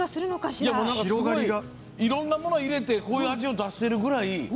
いろんなもの入れてこういう味を出してるぐらい。